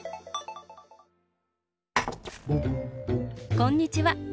こんにちは！